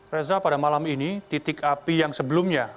reza pada malam ini titik api yang sebelumnya